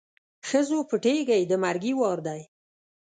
ښځو پټېږی د مرګي وار دی